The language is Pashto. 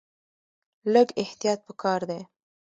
لږ احتیاط په کار دی.